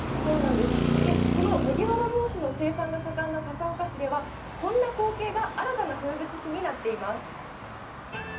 この麦わら帽子の生産が盛んな笠岡市ではこんな光景が新たな風物詩になっています。